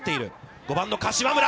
５番の柏村。